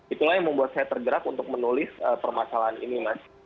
itulah yang membuat saya tergerak untuk menulis permasalahan ini mas